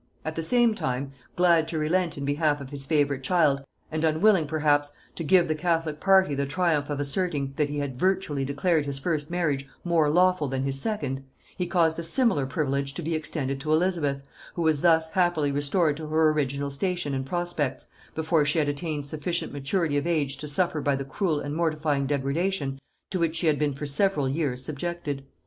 At the same time, glad to relent in behalf of his favorite child, and unwilling perhaps to give the catholic party the triumph of asserting that he had virtually declared his first marriage more lawful than his second, he caused a similar privilege to be extended to Elizabeth, who was thus happily restored to her original station and prospects, before she had attained sufficient maturity of age to suffer by the cruel and mortifying degradation to which she had been for several years subjected.